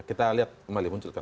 kita lihat kembali munculkan